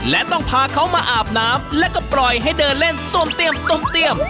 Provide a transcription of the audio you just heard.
และต้องพาเขามาอาบน้ำแล้วก็ปล่อยให้เดินเล่นต้วมเตี้ยมตมเตี้ยม